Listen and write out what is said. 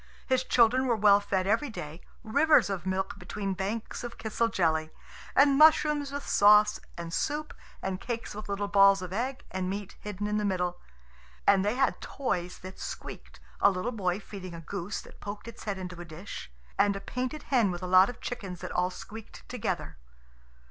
His children were well fed every day rivers of milk between banks of kisel jelly, and mushrooms with sauce, and soup, and cakes with little balls of egg and meat hidden in the middle. And they had toys that squeaked, a little boy feeding a goose that poked its head into a dish, and a painted hen with a lot of chickens that all squeaked together.